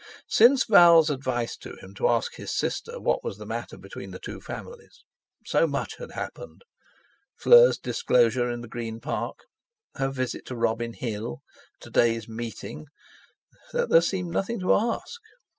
Since Val's advice to him to ask his sister what was the matter between the two families, so much had happened—Fleur's disclosure in the Green Park, her visit to Robin Hill, to day's meeting—that there seemed nothing to ask.